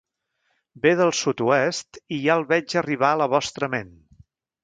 Ve del sud-oest i ja el veig arribar a la vostra ment.